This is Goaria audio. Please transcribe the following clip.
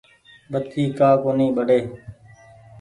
بتي ڪآ ڪونيٚ ٻڙي ۔